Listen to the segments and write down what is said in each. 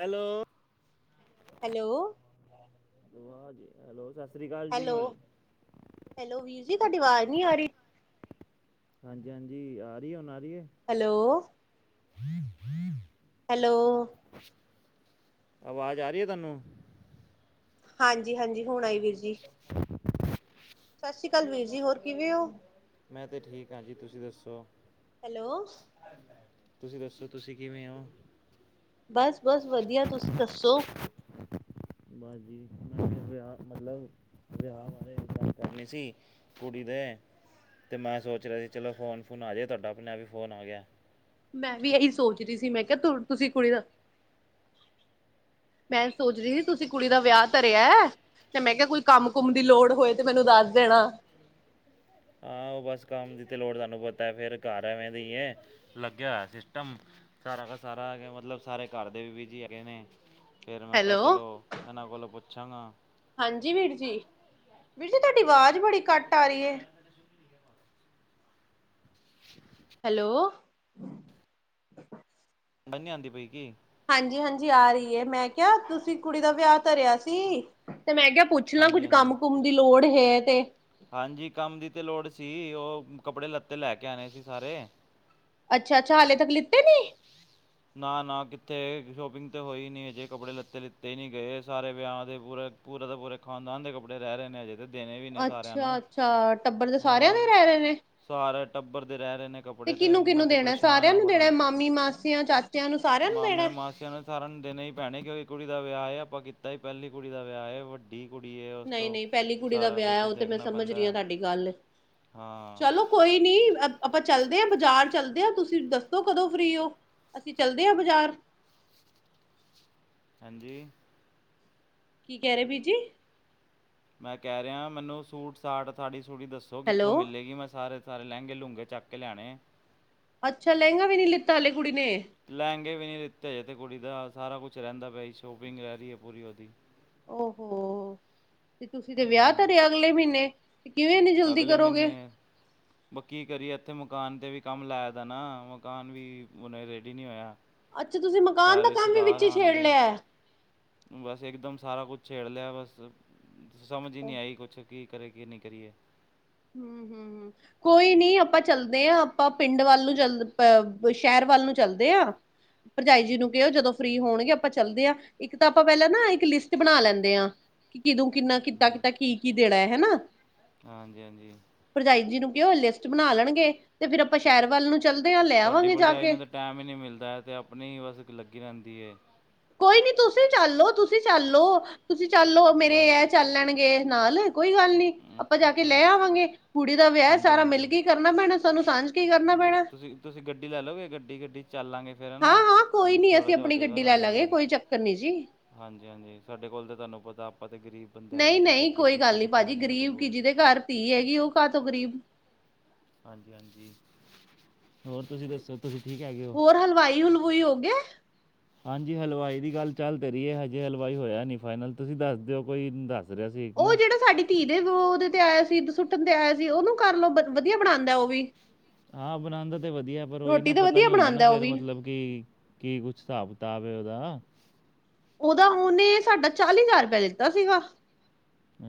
Hello. Hello. ਜ hello, ਸਤਿ ਸ੍ਰੀ ਅਕਾਲ ਹੈਲੋ, ਜੀ। ਹੈਲੋ ਵੀਰ ਜੀ ਤੁਹਾਡੀ ਆਵਾਜ਼ ਨੀ ਆ ਰਹੀ ਹਾਂਜੀ ਹਾਂਜੀ ਆ ਰਹੀ ਹੁਣ ਆ ਰਹੀ ਹੈਲੋ [inaudible] ਹੈਲੋ ਆਵਾਜ਼ ਆ ਰਹੀ ਹੈ ਤੁਹਾਨੂੰ ਹਾਂਜੀ ਹਾਂਜੀ ਹੁਣ ਆਈ ਵੀਰ ਜੀ [inaudible] ਸਤਿ ਸ੍ਰੀ ਅਕਾਲ ਵੀਰ ਜੀ ਹੋਰ ਕਿਵੇਂ ਹੋ। ਮੈਂ ਤਾਂ ਠੀਕ ਹਾਂ ਜੀ ਤੁਸੀਂ ਦੱਸੋ ਹੈਲੋ ਤੁਸੀਂ ਦੱਸੋ ਤੁਸੀਂ ਕਿਵੇਂ ਹੋ ਬਸ ਬਸ ਵਧੀਆ ਤੁਸੀਂ ਦੱਸੋ ਬਾਸਜੀੀ ਮੈਂ ਵਿਆਹ ਮਤਲਬ ਵਿਆਹ ਬਾਰੇ ਗੱਲ ਕਰਨੀ ਸੀ। ਕੁੜਦੇ ਤੇ ਮੈਂ ਸੋਚ ਰਿਹਾ ਸੀ ਚਲੋ ਫੋਨ ਫੋਨ ਆ ਜਾਏ ਤੁਹਾਡਾ ਆਪਣੇ ਆਪ ਹੀ ਫੋਨ ਆ ਗਿਆ। ਮੈਂ ਵੀ ਇਹੀ ਸੋਚ ਰਹੀ ਸੀ ਮੈਂ ਕਿਹਾ ਤੁਸੀਂ ਕੁੜੀ ਦਾ ਮੈਂ ਸੋਚ ਰਹੀ ਸੀ ਤੁਸੀਂ ਕੁੜੀ ਦਾ ਵਿਆਹ ਧਰਿਆ ਹੈ ਤੇ ਮੈਂ ਕਿਹਾ ਕੋਈ ਕੰਮ ਕੁਮ ਦੀ ਲੋੜ ਹੋਏ ਤੇ ਮੈਨੂੰ ਦੱਸ ਦੇਣਾ ਹਾਂ ਉਹ ਬਸ ਕੰਮ ਦੀ ਤੇ ਲੋੜ ਤੁਹਾਨੂੰ ਪਤਾ ਫੇਰ ਘਰ ਐਵੇਂ ਦੇਈ ਐ ਲੱਗਿਆ ਹੋਇਆ ਸਿਸਟਮ ਸਾਰਾ ਕੁ ਸਾਰਾ ਹੈ ਮਤਲਬ ਸਾਰੇ ਘਰ ਦੇ ਵੀ ਬਿਜੀੀ ਹੈਗੇ ਨੇ ਫਿਰ ਮੈਂ ਕਿਹਾ ਹੈਲੋ ਚਲੋ ਇਹਨਾਂ ਕੋਲ ਪੁੱਛਾਂਗਾ। ਹਾਂਜੀ ਵੀਰ ਜੀ ਵੀਰ ਜੀ ਤੁਹਾਡੀ ਆਵਾਜ਼ ਬੜੀ ਘੱਟ ਆ ਰਹੀ ਹੈ। ਹੈਲੋ ਬਨੀੀ ਆਉਂਦੀ ਪਈ ਕਿ ਹਾਂਜੀ ਹਾਂਜੀ ਆ ਰਹੀ ਹੈ, ਮੈਂ ਕਿਹਾ ਤੁਸੀਂ ਕੁੜੀ ਦਾ ਵਿਆਹ ਧਰਿਆ ਸੀ ਤੇ ਮੈਂ ਕਿਹਾ ਪੁੱਛ ਕੁਛ ਨਾ ਹਾਂਜੀ ਕੁੱਝ ਹਾਂਜੀ ਕੰਮ ਕੁਮ ਦੀ ਲੋੜ ਹੈ ਤੇ ਹਾਂਜੀ ਕੰਮ ਦੀ ਤਾਂ ਲੋੜ ਸੀ ਉਹ ਕੱਪੜੇ ਲੱਤੇ ਲੈ ਕੇ ਆਉਣੇ ਸੀ ਸਾਰੇ ਅੱਛਾੱਛਾ ਹਾਲ ਤੱਕ ਲਿੱਖ ਨੇ [inaudible] ਨਾ ਨਾ ਕਿੱਥੇ ਸ਼ੋਪਿੰਗ ਤਾਂ ਹੋਈ ਨਹੀਂ ਅਜੇ ਕੱਪੜੇ ਲੱਤੇ ਲਿੱਤੇ ਨਹੀਂ ਗਏ ਸਾਰੇ ਵਿਆਹ ਦੇ ਪੂਰੇ ਪੂਰਾ ਦਾ ਪੂ ਖਾਨਦਾਨ ਦੇ ਕੱਪੜੇ ਰਹੇ ਨੇ ਅਜੇ ਇਹਦੇ ਦੇਣੇ ਵੀ ਇਹਨੇ ਸਾਰਿਆਂ ਨੂੰ ਅੱਛਾ-ਅੱਛਾ ਟੱਬਰ ਦੇ ਸਾਰਿਆਂ ਹੋਰ ਦੇ ਰਹਿ ਰਹੇ ਨੇ। ਸਾਰਾ ਟੱਬਰ ਦੇ ਰਹਿ ਰਹੇ ਨੇ ਕੱਪੜੇ ਤੇ ਮੈਂ ਤੇ ਪਰੇਸ਼ਾਨ ਹਾਂ ਬੜਾ ਜਿਹੜਾ ਮਾਮੀ ਮਾਸੀਆਂ ਚਾਚਿਆਂ ਨੂੰ ਸਾਰਿਆਂ ਨੂੰ ਮਾਮੇ ਦੇਣਾ। ਮਾਸਿਆਂ ਨੇ ਸਾਰਿਆਂ ਨੂੰ ਦਿਨ ਹੀ ਪੈਣੇ ਕਿ ਕੁੜੀ ਦਾ ਵਿਆਹ ਹੈ ਆਪਾਂ ਕੀਤਾ ਹੀ ਪਹਿਲੀ ਕੁੜੀ ਦਾ ਵਿਆਹ ਹੈ ਵੱ ਡੀ ਕੁੜੀ ਹੈ ਉਸ ਤੋਂ ਨਹੀਂ-ਨਹੀਂ ਪਹਿਲੀ ਕੁੜੀ ਦਾ ਸਾਰਾ ਵਿਆਹ ਹੈ ਕੁਛ ਉਹ ਤੇ ਮੈਂ ਦੇਖਣਾ ਸਮਝ ਰਹੀ ਹਾਂ ਪੈਂਦਾ ਤੁਹਾਡੀ ਗੱਲ ਹਾਂ ਚਲੋ ਕੋਈ ਨੀ ਆਪਾਂ ਚਲਦੇ ਹਾਂ ਬਾਜ਼ਾਰ ਚੱਲਦੇ ਹਾਂ ਤੁਸੀਂ ਦੱਸੋ ਕਦੋਂ ਫਰੀ ਹੋ ਤੂੰਸੀਂ ਚੱਲਦੇ ਹਾਂ ਬਜ਼ਾਰ ਹਾਂਜੀ ਕੀ ਕਹਿ ਰਹੇ ਵੀਰ ਜੀ ਮੈਂ ਕਹਿ ਰਿਹਾ ਮੈਨੂੰ ਸੂਟ ਸਾਟ ਸਾਥੜੀ ਸੁੜੀ ਦੱਸੋ ਹੈਲੋ ਕਿੱਥੋਂ ਮਿਲੇਗੀ ਮੈਂ ਸਾਰੇ ਸਾਰੇ ਲਹਿੰਗੇ ਲੂਹਗੇ ਚੱਕ ਕੇ ਲੈਣੇ ਅੱਛਾ ਲਹਿੰਗਾ ਵੀ ਨਹੀਂ ਲਿੱਤਾ ਹਲੇ ਕੁੜੀ ਨੇ ਲਹਿੰਗੇ ਵੀ ਨਹੀਂ ਦਿੱਤੇ ਜ ਤੇ ਕੁੜੀ ਦਾ ਸਾਰਾ ਕੁਛ ਰਹਿੰਦਾ ਪਿਆ ਜ ਸ਼ੋਪਿੰਗ ਰਹਿ ਰਹੀ ਹੈ ਪੂਰੀ ਉਹਦੀ ਓ ਹੋੋ ਤੇ ਤੁਸੀਂ ਤੇ ਵਿਆਹ ਹੂੰ ਧਰਿਆ ਅਗਲੇ ਮਹੀਨੇ ਤੇ ਕਿਵੇਂਨੀ ਜਲਦੀ ਕਰੋਗੇ ਬ ਕੀ ਕਰੀਏ ਇੱਥੇ ਮਕਾਨ ਤੇ ਵੀ ਕੰਮ ਲਾਇ ਦਾ ਨਾ ਮਕਾਨ ਵੀਨ ਰੇਡੀ ਨੀ ਹੋਇਆ। ਅੱਛਾ ਤੁਸੀਂ ਮਕਾਨ ਸਾਰੇ ਦਾ ਕੰਮ ਵੀ ਰਿਸ਼ਤੇਦਾਰ ਵਿੱਚ ਹੀ ਛੇੜ ਆਣਗੇ ਲਿਆ ਬਸ ਇੱਕਦਮ ਸਾਰਾ ਕੁਛ ਛੇਡ ਲਿਆ ਬਸ ਸਮਝ ਹੀ ਹਮ ਨਹੀਂ ਆਈ ਕੁਛ ਕੀ ਕਰੇ ਕੀ ਨਹੀਂ ਕਰੀਏ। [unintelligible] ਕੋਈ ਨੀ ਆਪਾਂ ਚੱਲਦੇ ਹਾਂ ਆਪਾਂ ਪਿੰਡ ਵੱਲ ਨੂੰ ਚੱਲ ਸ਼ਹਿਰ ਵੱਲ ਨੂੰ ਚੱਲਦੇ ਹਾਂ। ਭਰਜਾਈ ਜੀ ਨੂੰ ਕਹੋ ਜਦੋਂ ਫ੍ਰਰੀ ਹੋਣਗੇ ਆਪਾਂ ਚੱਲਦੇ ਹਾਂ। ਇੱਕ ਤਾਂ ਆਪਾਂ ਪਹਿਲਾਂ ਨਾ ਇੱਕ ਲਿਸਟ ਬਣਾ ਲੈਂਦੇ ਆ। ਕਿ ਕਿਦੋਂ ਕਿੰਨਾ ਕਿੱ ਹੂੰ, ਕੀਤਾ ਕੀ ਕੀ ਦੇਣਾ ਹੈ ਹਨਾ। ਹਾਂਜੀ ਹਾਂਜੀ। ਭਰਜਾਈ ਜੀ ਨੂੰ ਕਿਹੋ ਲਿਸਟ ਬਣਾ ਲੈਣਗੇ ਤੇ ਫਿਰ ਆਪਾਂ ਸ਼ਹਿਰ ਵੱਲ ਨੂੰ ਚੱਲਦੇ ਹਾਂ ਲੈ ਤੁਹਡੀ ਆਵਾਂਗੇ ਜਾ ਭਰਜਾਈ ਕੇ ਨੂੰ ਤਾਂ ਟਾਈਮ ਹੀ ਨਹੀਂ ਮਿਲਦਾ ਹੈ ਤੇ ਆਪਣੀ ਹੀ ਬਸ ਲੱਗੀ ਰਹਿੰਦੀ ਹੈ। ਕੋਈ ਨੀ ਤੁਸੀਂ ਚੱਲੋ ਤੁਸੀਂ ਚੱਲੋ ਤੁਸੀਂ ਚੱਲੋ ਮੇਰੇ ਬਾਅਦ ਇਹ ਚੱਲ ਲੈਣਗੇ ਨਾਲ। ਕੋਈ ਗੱਲ ਨੀ ਆਪਾਂ ਅੱਛਾ ਜਾ ਕੇ ਅੱਛਾ ਲੈ ਆਵਾਂਗੇ ਕੁੜੀ ਦਾ ਵਿਆਹ ਹਾਂਜੀ ਸਾਰਾ ਮਿਲ ਹਾਂਜੀ ਕੇ ਕਰਨਾ ਪੈਣਾ ਸਾਨੂੰ ਸਾਂਝ ਕੇ ਹੀ ਕਰਨਾ ਪੈਣਾ ਤੁਸੀਂ ਤੁਸੀਂ ਗੱਡੀ ਲੈ ਲਓਗੇ ਗੱਡੀ ਗੱਡੀ ਚੱਲਾਂਗੇ। ਹੈ ਨਾ ਫਿਰ ਹਾਂ ਹਾਂ ਕੋਈ ਨਾ ਨੀ ਥੋੜ੍ਹਾ ਅਸੀਂ ਜਿਹਾ ਹੋ ਆਪਣੀ ਜਾਵੇਗਾ ਗੱਡੀ ਲੈ ਸਾਨੂੰ ਲਾਂਗੇ ਵੀ। ਕੋਈ ਚੱਕਰ ਨੀ ਜੀ ਹਾਂਜੀ ਹਾਂਜੀ ਸਾਡੇ ਕੋਲ ਤਾਂ ਤੁਹਾਨੂੰ ਪਤਾ ਆਪਾਂ ਤੇ ਗ਼ਰੀਬ ਨਹੀਂ ਨਹੀਂ ਕੋਈ ਗੱਲ ਨਹੀਂੀ ਭਾਜੀ ਗ਼ਰੀਬ ਕੀ ਕੋਲ ਜਿਹਦੇ ਘਰ ਧੀ ਹੈਗੀ ਉਹ ਘਾਹ ਤੋਂ ਗ਼ਰੀਬ ਹਾਂਜੀ ਹਾਂਜੀ ਹੋਰ ਤੁਸੀਂ ਦੱਸੋ ਤੁਸੀ ਠੀਕ ਹੈਗੇ ਹੋ ਹੋਰ ਹਲਵਾਈ ਹਲਵੁਈ ਹੋ ਗਿਆ ਹਾਂਜੀ ਹਲਵਾਈ ਦੀ ਗੱਲ ਚੱਲ ਤੇ ਰਹੀ ਹੈ ਹਜੇ ਹਲਵਾਈ ਹੋਇਆ ਨਹੀਂ ਫਾਈਨਲ ਤੁਸੀਂ ਦੱਸ ਦਿਓ ਕੋਈ ਦੱਸ ਰਿਹਾ ਸੀ ਇੱਕ ਉਹ ਨਾ ਜਿਹੜਾ ਸਾਡੀ ਧੀ ਦੇ ਤੇ ਗੋਦ ਤੇ ਆਇਆ ਸੀ ਸੁੱਟਣ ਤੇ ਆਇਆ ਸੀ ਉਹਨੂੰ ਕਰ ਲਓ ਵਧੀਆ ਬਣਾਉਂਦਾ ਉਹ ਵੀ ਹਾਂ ਬਣਾਉਣ ਦਾ ਤੇ ਵਧੀਆ ਪਰ ਉਹੀ ਰੋਟੀ ਨਾ ਤਾਂ ਪਤਾ ਵਧੀਆ ਨੀ ਹੁੰਦਾ ਨਾ ਬਣਾਉਂਦਾ ਉਹ ਫੇਿਰ ਵੀ ਮਤਲਬ ਕੀ ਕੀ ਕੁਛ ਹਿਸਾਬ ਕਿਤਾਬ ਉਹਦਾ। ਉਹਦਾ ਉਹਨੇ ਸਾਡਾ ਚਾਲੀ ਹਜ਼ਾਰ ਰੁਪਇਆ ਦਿੱਤਾ ਸੀਗਾ।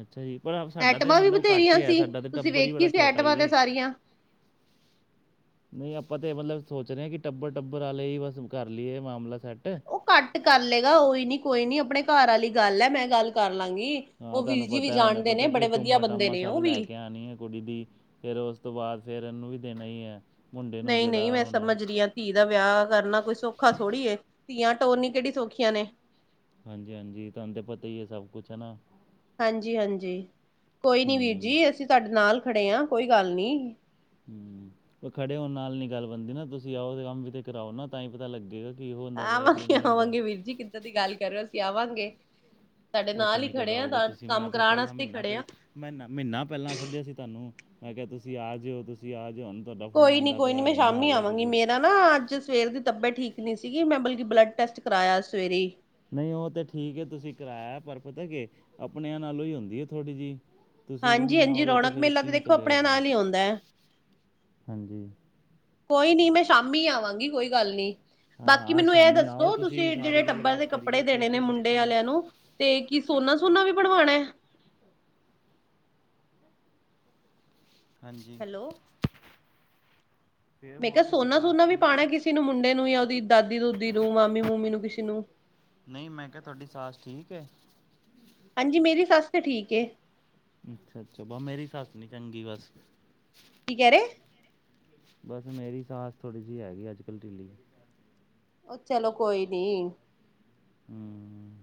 ਅੱਛਾ ਜੀ ਪਰ ਆਪ ਸਾਡਾ ਤੇ ਐਈਟਮਾਂ ਵੀ ਮਤਲਬ ਘੱਟ ਬਥੇਰੀਆਂ ਹੀ ਹੈ ਸੀ। ਸਾਡਾ ਤੇ ਤੁਸੀਂ ਟੱਬਰ ਹੀ ਵੇਖੀ ਬੜਾ ਸੀ ਛੋਟਾ ਐਈਟਮਾਂ ਤੇ ਹੀ ਸਾਰੀਆਂ। [inaudible] ਨਹੀਂ ਆਪਾਂ ਤਾਂ ਮਤਲਬ ਸੋਚ ਰਹੇ ਹਾਂ ਕਿ ਟੱਬਰ ਟੱਬਰ ਵਾਲੇ ਹੀ ਬਸ ਕਰ ਲਈਏ ਮਾਮਲਾ ਸੈੱਟ। ਉਹ ਘੱਟ ਕਰ ਲਏਗਾ ਕੋਈ ਨੀ ਕੋਈ ਨੀ ਆਪਣੇ ਘਰ ਵਾਲੀ ਗੱਲ ਹੈ ਮੈਂ ਗੱਲ ਕਰ ਲਾਂਗੀ। ਹਾਂ ਉਹ ਤੁਹਾਨੂੰ ਵੀਰ ਜੀ ਵੀ ਪਤਾ ਉਹਨੇ ਜਾਣਦੇ ਨੇ ਪਤਾ ਕਿ ਬੜੇ ਵਧੀਆ ਟੂਮਾ ਬੰਦੇ ਟਾਮਾ ਨੇ ਸਭ ਉਹ ਵੀ ਲੈ ਕੇ ਆਉਣੀ ਹੈ ਕੁੜੀ ਦੀ। ਫਿਰ ਉਸ ਤੋਂ ਬਾਅਦ ਫਿਰ ਇਹਨੂੰ ਵੀ ਦੇਣਾ ਹੀ ਹੈ ਮੁੰਡੇ ਨੂੰ ਨਹੀਂ ਨਹੀਂ ਜਿਹੜਾ ਮੈਂ ਹੁਣਾ ਸਮਝ ਰਹੀ ਹਾਂ ਧੀ ਦਾ ਵਿਆਹ ਕਰਨਾ ਕੋਈ ਸੌਖਾ ਥੋੜ੍ਹੀ ਹੈ। ਧੀਆਂ ਟੋਰਨੀ ਕਿਹੜੀ ਸੌਖੀਆਂ ਨੇ ਹਾਂਜੀ ਹਾਂਜੀ ਤਹਾਨੂੰ ਪਤਾ ਹੀ ਹੈ ਸਭ ਕੁਛ ਹਨਾ। ਹਾਂਜੀ ਹਾਂਜੀ ਕੋਈ ਨੀ ਵੀਰ ਹੂੰ ਜੀ ਅਸੀਂ ਤੁਹਾਡੇ ਨਾਲ ਖੜੇ ਹਾਂ ਕੋਈ ਗੱਲ ਨਹੀਂ। ਹਮ ਉਹ ਖੜੇ ਹੋਣ ਨਾਲ ਨੀ ਗੱਲ ਬਣਦੀ ਨਾ ਤੁਸੀਂ ਆਓ ਤੇ ਕੰਮ ਵੀ ਤੇ ਕਰਾਓ ਨਾ ਤਾਂ ਹੀ ਪਤਾ ਲੱਗੇਗਾ। ਕੀ ਹੁੰਦਾ ਪਿਆ ਕੀ ਆਵਾਂਗੇ ਨਹੀਂ ਹੋ ਰਿਹਾ ਆਵਾਂਗੇ ਵੀਰ ਜੀ ਕਿੱਦਾਂ ਦੀ ਗੱਲ ਕਰੋ ਅਸੀਂ ਆਵਾਂਗੇ। ਸਾਡੇ ਪਤਾ ਨਾਲ ਹੀ ਨਹੀਂ ਕਦ ਖੜੇ ਆ ਆਓਗੇ ਤੁਸੀਂ ਕੰਮ ਮੈਂ ਤਾਂ ਕਰਾਉਣ ਪਹਿਲਾਂ ਵਾਸਤੇ ਹੀ ਖੜੇ ਆ। ਪਹਿਲ ਮਹੀਨਾ ਮਹੀਨਾ ਪਹਿਲਾਂ ਸੱਦਿਆ ਸੀ ਤੁਹਾਨੂੰ ਮੈਂ ਕਿਹਾ ਤੁਸੀਂ ਆ ਜਿਓ ਤੁਸੀਂ ਤੁਸੀਂ ਆ ਜਾੳ ਹੋਣ ਤੁਹਾਡਾ ਫੋਨ ਕੋਈ ਨੀ ਆਉਂਦਾ ਕੋਈ ਨੀ ਪਿਆ ਮੈਂ ਹੁਣ ਆ ਸ਼ਾਮੀ ਰਹੇ ਹੋ ਆਵਾਂਗੀ ਤੁਸੀਂ। ਮੇਰਾ ਨਾ ਅੱਜ ਸਵੇਰ ਦੀ ਤਬੀਅਤ ਠੀਕ ਨੀ ਸੀਗੀ ਮੈਂ ਬਲਕਿ ਬਲੱਡ ਟੈਸਟ ਕਰਾਇਆ ਸਵੇਰੇ। ਨਹੀਂ ਉਹ ਤਾਂ ਠੀਕ ਹੈ ਤੁਸੀਂ ਕਿਰਾਇਆ ਪਰ ਪਤਾ ਕਿ ਆਪਣਿਆਂ ਨਾਲੋਂ ਹੀ ਹੁੰਦੀ ਹੈ ਥੋੜੀ ਜਿਹੀ। ਤੁਸੀਂ ਵੀ ਹਾਂਜੀ ਨੀ ਹਾਂਜੀ ਆਓਗੇ ਤੇ ਰੌਣਕ ਫਿਰ ਮੇਲਾ ਕਿਵੇਂ ਦੇਖੋ ਚੱਲੇਗਾ ਆਪਣਿਆਂ ਕੰਮ ਨਾਲ ਹੀ ਆਉਂਦਾ ਹੈ ਹਾਂਜੀ। ਕੋਈ ਨਹੀਂ ਮੈਂ ਸ਼ਾਮੀ ਆਵਾਂਗੀ ਕੋਈ ਗੱਲ ਨਹੀਂ। ਬਾਕੀ ਹਾਂ ਅੱਜ ਮੈਨੂੰ ਇਹ ਸ਼ਾਮੀ ਆਓ ਦੱਸੋ ਤੁਸੀਂ ਜਿਹੜੇ ਸਾਰੀ ਟੱਬਰ ਦੇ ਗੱਲਬਾਤ ਕੱਪੜੇ ਕਰੀਏ ਕੀ ਦੇਣੇ ਨੇ ਕੀ ਮੁੰਡੇ ਸਿਸਟਮ ਹੈ ਵਾਲਿਆਂ ਨੂੰ ਤੇ ਕੀ ਸੋਨਾ ਸੂਨਾ ਵੀ ਬਣਵਾਉਣਾ। ਹਾਂਜੀ। ਹੈਲੋ ਫਿਰ ਮੈਂ ਹੋਰ ਕਿਹਾ ਤੁਹਾਡੀ ਸੋਨਾ ਸਾਸ ਸੁਨਾ ਵੀ ਠੀਕ ਹੈ ਪਾਉਣਾ ਕਿਸੇ ਨੂੰ ਮੁੰਡੇ ਨੂੰ ਜਾਂ ਉਹਦੀ ਦਾਦੀ ਦੂਦੀ ਨੂੰ ਮਾਮੀ ਮੁਮੀ ਨੂੰ ਕਿਸੇ ਨੂੰ। ਨਹੀਂ ਮੈਂ ਕਿਹਾ ਤੁਹਾਡੀ ਸਾਸ ਠੀਕ ਹੈ। ਹਾਂਜੀ, ਮੇਰੀ ਸੱਸ ਤੇ ਠੀਕ ਹੈ। ਅੱਛਾ, ਅੱਛਾ ਵੋ ਮੇਰੀ ਸੱਸ ਨੀ ਚੰਗੀ ਬਸ। ਕੀ ਕਹਿ ਰਹੇ। ਬਸ ਮੇਰੀ ਸਾਸ ਥੋੜ੍ਹੀ ਜਿਹੀ ਹੈਗੀ ਅੱਜ ਕੱਲ੍ਹ ਡਿੱਲੀ। ਉਹ ਚਲੋ ਕੋਈ ਨੀ। ਹਮ। [unintelligible]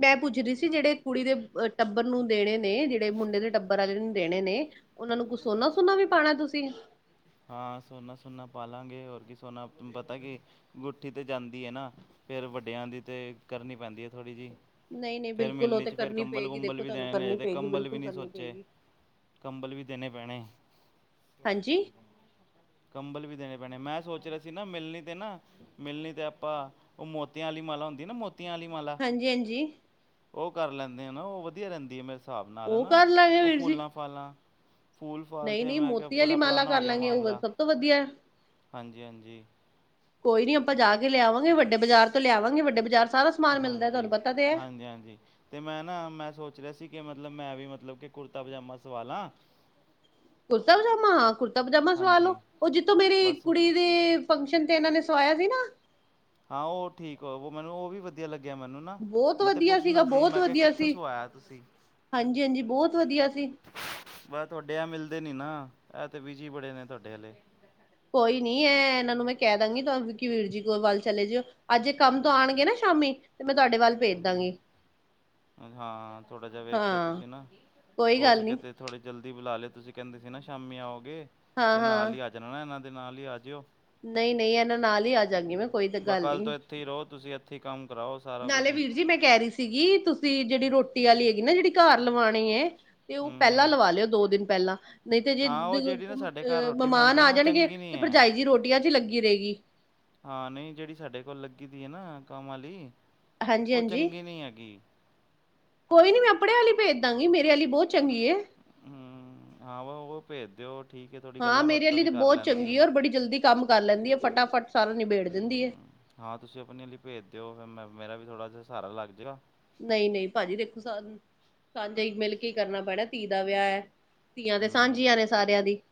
ਮੈਂ ਪੁੱਛ ਰਹੀ ਸੀ ਜਿਹੜੇ ਕੁੜੀ ਦੇ ਟੱਬਰ ਨੂੰ ਦੇਣੇ ਨੇ ਜਿਹੜੇ ਮੁੰਡੇ ਦੇ ਟੱਬਰ ਆਲੇ ਨੂੰ ਦੇਣੇ ਨੇ ਉਹਨਾ ਨੂੰ ਕੁਛ ਸੋਨਾ ਸੁਨਾ ਵੀ ਪਾਣੈ ਤੁਸੀਂ। ਹਾਂ ਸੋਨਾ ਸੋਨਾ ਪਾਾਲਾਂਗੇ ਹੋਰ ਕੀ ਸੋਨਾ ਪਤਾ ਕਿ ਗੁਠੀ ਤੇ ਜਾਂਦੀ ਹੈ ਨਾ ਫੇਰ ਵੱਡਿਆਂ ਦੀ ਤੇ ਕਰਨੀ ਪੈਂਦੀ ਹੈ ਥੋੜ੍ਹੀ ਜਿਹੀ ਨਹੀਂ ਨਹੀਂ ਫੇਰ ਬਿਲਕੁਲ ਉਹ ਮਿਲਣੀ ਤੇ ਚ ਫੇਰ ਕਰਨੀ ਕੰਬਲ ਪਏਗੀ ਕੁੰਬਲ ਦੇਖੋ ਵੀ ਤੁਹਾਨੂੰ ਦੇਣੇ ਨੇ ਅਜੇ ਕਰਨੀ ਤੇ ਪਏਗੀ ਕੰੰਬਲ ਵੀ ਬਿਲਕੁਲ ਨਹੀਂ ਕਰਨੀ ਸੋਚੇ। ਪਏਗੀ ਕੰੰਬਲ ਵੀ ਦੇਣੇ ਪੈਣੇ ਹਾਂਜੀ। ਕੰਬਲ ਵੀ ਦੇਣੇ ਪੈਣੇ ਮੈਂ ਸੋਚ ਰਿਹਾ ਸੀ ਨਾ ਮਿਲਣੀ ਤੇ ਨਾ ਮਿਲਣੀ ਤੇ ਆਪਾਂ ਉਹ ਮੋਤਆਂ ਵਾਲੀ ਮਾਲਾ ਹੁੰਦੀ ਨਾ ਮੋਤੀ ਤੀ ਆਲੀ ਮਾਲਾ ਹਾਂਜੀ ਹਾਂਜੀ ਉਹ ਕਰ ਲੈਨੇ ਆ ਨਾ ਉਹ ਵਧੀਆ ਰਹਿੰਦੀ ਹੈ ਮੇ ਹਿਸਾਬ ਨਾਲ ਉਹ ਹਨਾ ਕਰ ਲਾਂਗੇ ਉਹ ਵੀਰ ਜੀ ਫੂਲਾਂ ਫਾਲਾਂ ਫੂਲ ਫਾਲ ਨਹੀਂ ਤੇ ਨਹੀਂ ਮੈਂ ਕਿਹਾ ਮੋਤੀ ਵਾਲੀ ਬੜਾ ਮਾਲਾ ਪੁਰਾਣਾ ਹੋ ਕਰ ਗਿਆ ਲਾਂਗੇ ਉਹ ਮਾਮਲਾ ਸਭ ਤੋਂ ਵਧੀਆ ਹਾਂਜੀ- ਹਾਂਜੀ। ਕੋਈ ਨੀ ਆਪਾਂ ਜਾ ਕੇ ਲਿਆਵਾਂਗੇ ਵੱਡੇ ਬਾਜ਼ਾਰ ਤੋਂ ਲਿਆਵਾਂਗੇ ਵੱਡੇ ਬਾਜ਼ਾਰ ਸਾਰਾ ਸਮਾਨ ਮਿਲਦਾ ਤੁਹਾਨੂੰ ਹਾਂਜੀ ਪਤਾ ਤੇ ਹੈ। ਹਾਂਜੀ -ਹਾਂਜੀ। ਤੇ ਮੈਂ ਨਾ ਮੈਂ ਸੋਚ ਰਿਹਾ ਸੀ ਕਿ ਮਤਲਬ ਮੈਂ ਵੀ ਮਤਲਬ ਕਿ ਕੁੜਤਾ ਪਜਾਮਾ ਸਵਾਲਾ। ਕੁੜਤਾ ਪਜਾਮਾ ਹਾਂ, ਕੁੜਤਾ ਪਜਾਮਾ ਸੁਵਾਲੋ, ਹਾਂਜੀ ਉਹ ਜਿੱਥੋਂ ਮੇਰੀ ਬਸ ਕੁੜੀ ਦੇ ਫੰਕਸ਼ਨ ਤੇ ਇਹਨਾਂ ਨੇ ਸਵਾਇਆ ਸੀ ਨਾ। ਹਾਂ ਉਹ ਠੀਕ ਹੈ ਮੈਨੂੰ ਉਹ ਵੀ ਵਧੀਆ ਲੱਗਿਆ ਮੈਨੂੰ ਬਹੁਤ ਮੈਂ ਤੇ ਵਧੀਆ ਸੀਗਾ ਪੁੱਛਣਾ ਸੀ ਬਹੁਤ ਮੈਂ ਕਿਹਾ ਵਧੀਆ ਕਿੱਥੋਂ ਸੀ ਸਵਾਇਆ ਤੁਸੀਂ। ਹਾਂਜੀ ਹਾਂਜੀ ਬਹੁਤ ਵਧੀਆ ਸੀ ਬਸ ਤੁਹਾਡੇ ਆ ਮਿਲਦੇ ਨੀ ਨਾ ਇਹ ਤੇ ਬਜੀ ਬੜੇ ਨੇ ਤੁਹਾਡੇ ਆਲੇ। ਕੋਈ ਨੀ ਹੈ ਇਹਨਾਂ ਨੂੰ ਮੈਂ ਕਹਿ ਦਾਂਗੀ ਵਿਕੀ ਵੀਰ ਜੀ ਕੋ ਵੱਲ ਚਲੇ ਜੀਓ। ਅੱਜ ਕੰਮ ਤੋਂ ਆਉਣਗੇ ਨਾ ਸ਼ਾਮੀ ਤੇ ਮੈਂ ਤੁਹਾਡੇ ਵੱਲ ਭੇਜ ਹਾਂਜੀ ਦਾਂਗੀ। ਹਾਂ ਥੋੜਾ ਜਿਹਾ ਵੇਖਿਓ ਹਾਂ ਤੁਸੀਂ ਨਾ ਕੋਈ ਹੋ ਗੱਲ ਸਕੇ ਨੀ ਤੇ ਥੋੜੀ ਜਲਦੀ ਬੁਲਾ ਲਏ ਤੁਸੀਂ ਕਹਿੰਦੇ ਸੀ ਨਾ ਸ਼ਾਮੀ ਆਓਗੇ ਹਾਂ ਤੇ ਨਾਲ ਹਾਂ ਹੀ ਹਨਾ ਇਹਨਾਂ ਦੇ ਨਾਲ ਹੀ ਆਜਿਓ ਨਹੀਂ ਨਹੀਂ ਇਹਨਾਂ ਨਾਲ ਹੀ ਆ ਜਾਂਗੀ ਮੈਂ ਕੋਈ ਤਾਂ ਗੱਲ ਨਹੀ। ਉੱਥੀ ਰਹੋ ਤੁਸੀਂ ਅੱਥੀਂ ਕੰਮ ਕਰਾਓ ਸਾਰਾ ਕੁਛ। ਵੀਰ ਜੀ ਮੈਂ ਕਹਿ ਰਹੀ ਸੀਗੀ ਤੁਸੀਂ ਜਿਹੜੀ ਰੋਟੀ ਵਾਲੀ ਹੈਗੀ ਨਾ ਜਿਹੜੀ ਘਰ ਲਵਾਉਣੀ ਹੈ ਤੇ ਉਹ ਹੂੰ ਪਹਿਲਾਂ ਹੂੰ ਲਵਾ ਲਿਓ ਦੋ ਦਿਨ ਪਹਿਲਾਂ ਨਹੀਂ ਤੇ ਜੇ ਹਾਂ ਉਹ ਜਿਹੜੀ ਨਾ ਸਾਡੇ ਘਰ ਰੋਟੀ ਮਮਾਨ ਬਣਾਉਂਦੀ ਆ ਨਾ ਉਹ ਜਾਣਗੇ ਚੰਗੀ ਤੇ ਨਹੀਂ ਹੈ ਭਰਜਾਈ ਜੀ ਰੋਟੀਆਂ ਚ ਹੀ ਲੱਗੀ ਰਹੇਗੀ। ਹਾਂ ਨਹੀਂ ਜਿਹੜੀ ਸਾਡੇ ਕੋਲ ਲੱਗੀ ਦੀ ਏ ਨਾ ਕੰਮ ਆਲੀ ਹਾਂਜੀ-ਹਾਂਜੀ। ਕੋਈ ਨੀ ਮੈਂ ਆਪਣੇ ਆਲੀ ਭੇਜ ਦਾਂਗੀ ਮੇਰੇ ਆਲੀ ਬਹੁਤ ਚੰਗੀ ਏ। ਹਮ ਹਾਂ ਵਾ ਉਹ ਭੇਜ ਦਿਓ ਠੀਕ ਹੈ ਥੋੜ੍ਹੀ ਹਾਂ ਗੱਲਾਂ ਮੇਰੇ ਬਾਤਾਂ ਆਲੀ ਵੀ ਤਾਂ ਕਰ ਬਹੁਤ ਲੈਂਦੀ ਚੰਗੀ ਹੈ ਔਰ ਬੜੀ ਜਲਦੀ ਕੰਮ ਕਰ ਲੈਂਦੀ ਏ ਫਟਾਫਟ ਸਾਰਾ ਨਿਬੇੜ ਦਿੰਦੀ ਏ। ਹੂੰ ਹਾਂ ਤੁਸੀਂ ਆਪਣੇ ਲਈ ਭੇਜ ਦੇਓ ਫੇਰ ਮੈਂ ਮੇਰਾ ਵੀ ਥੋੜ੍ਹਾ ਜਿਹਾ ਸਾਰਾ ਲੱਗ ਜੇਗਾ। ਨਹੀਂ ਨਹੀਂ ਭਾਜੀ ਦੇਖੋ ਸ ਸਾਂਝ ਮਿਲ ਕੇ ਕਰਨਾ ਪੈਣਾਾ ਧੀ ਦਾ ਵਿਆਹ ਹੈ। ਧੀਆਂ ਤੇ ਹੂੰ ਸਾਂਝੀਆਂ ਨੇ ਸਾਰਿਆਂ ਦੀ।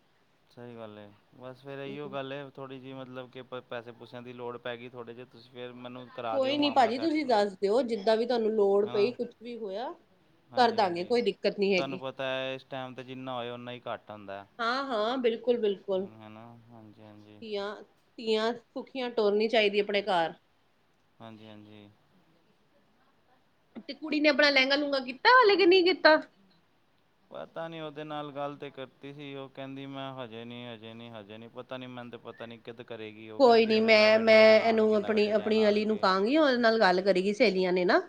ਸਹੀ ਗੱਲ ਏ ਬਸ ਫੇਰ ਇਹੀਓ ਗੱਲ ਏ ਥੋੜ੍ਹੀ ਜਿਹੀ ਮਤਲਬ ਪੈੇਸੇ ਪੂਸਿਆਂ ਦੀ ਲੋੜ ਪੈਗਈ ਥੋੜ੍ਹੇ ਜਹੇ ਤੁਸੀਂ ਫੇਰ ਮੈਨੂੰ ਕਰਾ ਦਿਓ ਕੋਈ ਨੀ ਮਾਮਲਾ ਭਾਜੀ ਸੈੱਟ ਤੁਸੀਂ ਥੋੜ੍ਹਾ। ਦੱਸ ਦਿਓ ਜਿੱਦਾਂ ਵੀ ਤੁਹਾਨੂੰ ਲੋੜ ਜਿਹਾ ਪਈ ਹੈਨਾ ਕੁਛ ਵੀ ਹੋਇਆ ਕਰ ਹਾਂਜੀ ਦਾਂਗੇ ਹਾਂਜੀ ਕੋਈ ਦਿੱਕਤ ਨੀ ਤੁਹਾਨੂੰ ਹੈਗੀ। ਪਤਾ ਹੈ ਇਸ ਟਾਈਮ ਤੇ ਜਿੰਨਾ ਹੋਏ ਉਨਾ ਹੀ ਘੱਟ ਹੁੰਦਾ ਹੈ। ਹਾਂ-ਹਾਂ ਬਿਲਕੁਲ-ਬਿਲਕੁਲ। ਹੈ ਨਾ ਹਾਂਜੀ ਹਾਂਜੀ ਧੀਆਂ ਤੀਆਂ ਭੱਖੀਆਂ ਟੋਰਨੀ ਚਾਹੀਦੀ ਆਪਣੇ ਘਰ। ਹਾਂਜੀ-ਹਾਂਜੀ। ਤੇ ਕੁੜੀ ਨੇ ਆਪਣਾ ਲਹਿੰਗਾ ਲੂੰਘਗਾ ਕੀਤਾ ਹਲੇ ਕੇ ਨਹੀਂ ਕੀਤਾ। ਪਤਾ ਨੀ ਉਹਦੇ ਨਾਲ ਗੱਲ ਤੇ ਕਰਤੀ ਸੀ ਉਹ ਕਹਿੰਦੀ ਮੈਂ ਹਜੇ ਨੀ ਹਜੇ ਨੀ ਹਜੇ ਨੀ ਪਤਾ ਨੀ ਮੈਨੂੰ ਤੇ ਪਤਾ ਨੀ। ਕਰੇਗੀ। ਉਹ ਕੋਈ ਕਹਿੰਦੀ ਨੀ ਹੁਣੇ ਮੈਂ ਨਵੇਂ ਮੈਂ ਡਿਜ਼ਾਇਨ ਇਹਨੂੰ ਆਉਣਗੇ ਨਵੇਂ ਆਪਣੀ ਡਿਜ਼ਾਇਨ -ਆਪਣੀ ਅਲੀ ਨੂੰ ਆਉਣਗੇ ਕਹਾਂਗੀ ਉਹਦੇ ਨਾਲ ਗੱਲ ਕਰੇਗੀ। ਸਹੇਲੀਆਂ ਨੇ ਨਾ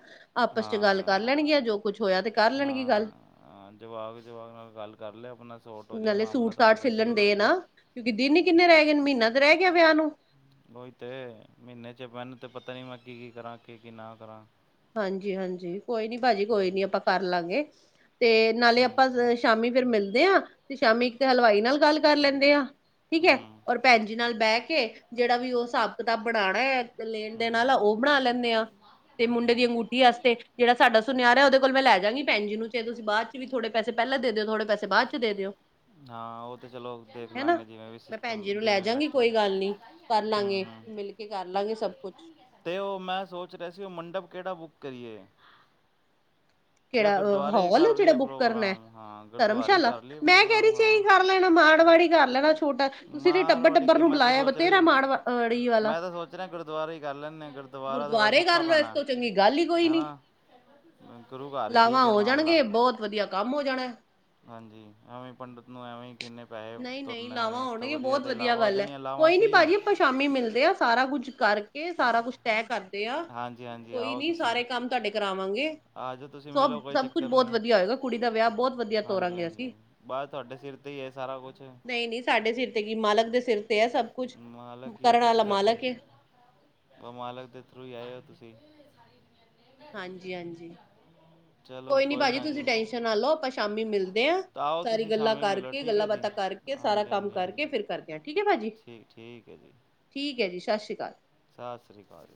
ਆਪਸ ਚ ਗੱਲ ਕਰ ਹਾਂ ਲੈਣਗੀਆਂ ਜੋ ਕੁਛ ਹੋਇਆ ਤੇ ਕਰ ਲੈਣ ਗਈ ਗੱਲ ਹਾਂ ਜਵਾਕ, ਜਵਾਕ ਨਾਲ ਗੱਲ ਕਰ ਲਿਓ ਆਪਣਾ ਸੋਟ ਹੋ ਜਾਵੇ ਨਾਲੇ ਮਾਮਲਾ ਸੂਟ ਤੁਹਾਡੇ ਸਾਟ ਤਾਂ ਸਿਲਣ ਸਹੀ ਹੋ ਦੇ ਜਾਵੇ ਨਾ ਕਿਉਂਕਿ ਦਿਨ ਹੀ ਕਿੰਨੇ ਰਹਿ ਗਏ ਨੇ ਮਹੀਨਾ ਤੇ ਰਹਿ ਗਿਆ ਵਿਆਹ ਨੂੰ ਬਹੀ ਤੇ ਮਹੀਨੇ ਚ ਮੈਨੂੰ ਤੇ ਪਤਾ ਨੀ ਮੈਂ ਕੀ -ਕੀ ਕਰਾਂ ਕੀ- ਕੀ ਨਾ ਕਰਾਂ ਹਾਂਜੀ ਹਾਂਜੀ ਕੋਈ ਨੀ ਭਾਜੀ ਕੋਈ ਨੀ ਆਪਾਂ ਕਰ ਲਵਾਂਗੇ ਤੇ ਨਾਲੇ ਆਪਾਂ ਠੀਕ ਹੈ ਸ਼ਾਮੀ ਫਿਰ ਮਿਲਦੇ ਆ ਤੇ ਸ਼ਾਮੀ ਇੱਕਤੇ ਹਲਵਾਈ ਨਾਲ ਗੱਲ ਕਰ ਲੈਂਦੇ ਆ ਠੀਕ ਹੈ ਹਮ ਔਰ ਭੈਣ ਜੀ ਨਾਲ ਬਹਿ ਕੇ ਜਿਹੜਾ ਵੀ ਉਹ ਹਿਸਾਬ ਕਿਤਾਬ ਬਣਾਉਣਾ ਹੈ, ਹਮ ਲੈਣ ਦੇਣ ਵਾਲਾ ਹਮ ਉਹ ਬਣਾ ਲੈਂਦੇ ਆ, ਤੇ ਮੁੰਡੇ ਹਮ ਗੁੱਡੀ ਵਾਸਤੇ ਜਿਹੜਾ ਸਾਡਾ ਸੁਨਿਆਰ ਹੈ ਉਹਦੇ ਕੋਲ ਮੈਂ ਲੈ ਜਾਵਾਂਗੀ ਭੈਨ ਜੀ ਨੂੰ ਫੇ ਤੁਸੀ ਬਾਅਦ ਚ ਵੀ ਥੋੜੇ ਪੈੇ ਪਹਿਲਾ ਦੇ ਦਿਓ ਥੋੜੇੈੇ ਬਾਅਦ ਚ ਦੇ ਦਿਓ ਹਾਂ ਉਹ ਤੇ ਚਲੋ ਦੇਖ ਹਨਾ ਲਾਂਗੇ ਜਿਵੇਂ ਵੀ ਮੈਂ ਭੈਣ ਜੀ ਸਿਸਟਮ ਨੂੰ ਲੈ ਜਿਵੇਂ ਜਾਗੀ ਬੈਠੇ ਕੋਈ ਗੱਲ ਨੀ ਕਰ ਹਮ ਲਾਂਗੇ ਹਮ ਮਿਲ ਕੇ ਕਰ ਲਾਂਗੇ ਸਭ ਕੁੱਛ ਤੇ ਉਹ ਮੈਂ ਸੋਚ ਰਿਹਾ ਸੀ ਉਹ ਮੰਡਪ ਕਿਹੜਾ ਬੁੱਕ ਕਰੀਏ। ਜਾਂ ਕਿਹੜਾ ਉਹ ਗੁਰਦੁਆਰੇ ਹੀ ਹਲ ਹੈ ਕਰ ਜਿਹੜੇ ਲਈਏ ਬੁੱਕਰ ਨੇ ਪ੍ਰੋਗਰਾਮ ਹਾਂ ਗੁਰਦੁਆਰੇ ਹੀ ਧਰਮਸ਼ਾਲਾ ਕਰ ਲਈਏ ਮੈਂ ਕਹਿ ਪ੍ਰੋਗਰਾਮ ਰਹੀ ਹਾਂ ਏਹੀ ਕਰ ਲੈਣਾ ਮਾੜਵਾੜੀ ਕਰ ਲੈਣਾ ਛੋਟਾ ਤੁਸੀਂ ਤੇ ਮਾਰਵਾੜੀ ਟੱਬਰ-ਟੱਬਰ ਕੇ ਨੂੰ ਮੈਂ ਤੇ ਬੁਲਾਇਆ ਸੋਚ ਰਿਹਾ ਬਥੇਰਾ ਸੀ ਮਾੜਵੜੀ ਵਾਲਾ। ਮੈਂ ਤਾਂ ਸੋਚ ਰਿਹਾ ਗੁਰਦੁਆਰਾ ਹੀ ਕਰ ਲੈਂਦੇ ਹਾਂ ਗੁਰਦੁਆਰਾ ਥੋੜ੍ਹਾ ਗੁਰਦੁਆਰੇ ਸੌਖਾ ਕਰ ਲੋ ਇਸ ਪੈਣਾ ਤੋਂ ਚੰਗੀ ਗੱਲ ਹੀ ਕੋਈ ਹੈ ਨੀ। ਨਾ ਗੁਰੂ ਘਾਰ ਹੋ ਜਾਣਗੇ ਬਹੁਤ ਵਧੀਆ ਕੰਮ ਹੋ ਜਾਣਾ। ਹਾਂਜੀ, ਐਵੇਂ ਪੰਡਿਤ ਨੂੰ, ਐਵੇਂ ਹੀ ਕਿੰਨੇ ਪੈਸੇ ਨਹੀਂ- ਨਹੀਂ ਤੁਰਨੇ ਲਾਵਾਂ ਐਵੇਂ ਇਸ ਤੋਂ ਹੋਣਗੇ ਬਹੁਤ ਤਾਂ ਵਧੀਆ ਇਲਾਵਾ ਹੋ ਗੱਲ ਹੈ ਜਾਣੀਆਂ ਇਲਾਵਾ ਕੋਈ ਨੀ ਸਹੀ ਹੈ ਭਾਜੀ ਆਪਾਂ ਸ਼ਾਮੀ ਮਿਲਦੇ ਹਾਂ ਸਾਰਾ ਕੁੱਝ ਕਰਕੇ ਸਾਰਾ ਕੁਛ ਤੈਅ ਕਰਦੇ ਆ, ਹਾਂਜੀ ਹਾਂਜੀ ਕੋਈ ਆਓ ਨੀ ਤੁਸੀਂ ਸਾਰੇ ਕੰਮ ਤੁਹਾਡੇ ਕਰਾਵਾਂਗੇ ਆ ਜਾਓ ਤੁਸੀਂ ਸਭ, ਮਿਲੋ ਕੋਈ ਸਭ ਕੁਛ ਚੱਕਰ ਬਹੁਤ ਨਹੀਂ ਵਧੀਆ ਹੋਏਗਾ ਕੁੜੀ ਦਾ ਵਿਆਹ ਬਹੁਤ ਵਧੀਆ ਹਾਂਜੀ ਤੋਰਾਂਗੇ ਅਸੀਂ ਹਾਂਜੀ ਬਸ ਤੁਹਾਡੇ ਸਿਰ ਤੇ ਹੀ ਹੈ ਸਾਰਾ ਕੁਛ ਨਹੀਂ -ਨਹੀਂ ਸਾਡੇ ਸਿਰ ਤੇ ਕੀ, ਮਾਲਕ ਦੇ ਸਿਰ ਤੇ ਹੈ ਸਭ ਕੁਛ ਮਾਲਕ ਹੀ ਹੋ ਕਰਨ ਤੁਸੀਂ ਵਾਲਾ ਸਾਡੇ ਮਾਲਕ ਹੈ ਬ ਮਾਲਕ ਦੇ ਥਰੂ ਹੀ ਆਏ ਹੋ ਤੁਸੀਂ ਹਾਂਜੀ- ਹਾਂਜੀ ਚਲੋ ਕੋਈ ਨੀ ਭਾਜੀ ਨਾ ਤੁਸੀਂ ਜੀ ਟੈਂਨਸ਼ਨ ਨਾ ਲਓ ਆਪਾਂ ਸ਼ਾਮੀ ਮਿਲਦੇ ਹਾਂ ਤਾਂ ਆਓ ਸਾਰੀ ਤੁਸੀਂ ਗੱਲਾਂ ਸ਼ਾਮੀ ਮਿਲੋ ਕਰਕੇ, ਠੀਕ ਹੈ ਗੱਲਾਂ ਜੀ ਬਾਤਾਂ ਕਰਕੇ, ਸਾਰਾ ਹਾਂਜੀ ਕੰਮ ਹਾਂਜੀ ਹਾਂਜੀ ਕਰਕੇ ਹਾਂਜੀ, ਫਿਰ ਕਰਦੇ ਆ ਠੀਕ ਹੈ ਭਾਜੀ ਠੀਕ- ਠੀਕ ਹੈ ਜੀ ਠੀਕ ਹੈ ਜੀ ਸਤਿ ਸ਼੍ਰੀ ਅਕਾਲ। ਸਤਿ ਸ਼੍ਰੀ ਅਕਾਲ।